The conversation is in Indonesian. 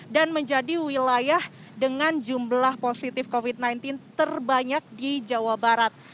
dan menjadi wilayah dengan jumlah positif covid sembilan belas terbanyak di jawa barat